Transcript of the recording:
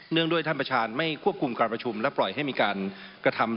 งด้วยท่านประธานไม่ควบคุมการประชุมและปล่อยให้มีการกระทำ